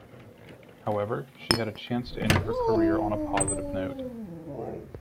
However, she had a chance to end her career on a positive note.